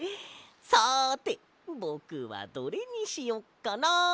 さてぼくはどれにしよっかな。